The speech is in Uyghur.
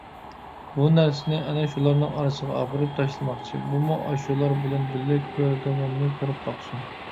بۇ نەرسىنى ئەنە شۇلارنىڭ ئارىسىغا ئاپىرىپ تاشلىماقچى، بۇمۇ ئاشۇلار بىلەن بىللە كۆرىدىغىنىنى كۆرۈپ باقسۇن.